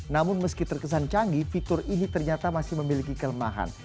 namun meski terkesan canggih fitur ini ternyata masih memiliki kelemahan